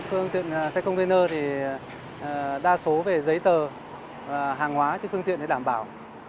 phương tiện xe container thì đa số về giấy tờ hàng hóa trên phương tiện để đảm bảo